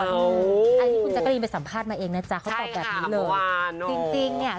อันที่คุณจักรีนไปสัมภาษณ์มาเองนะจ้ะเขาบอกแบบนี้เลย